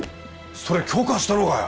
それ許可したのかよ？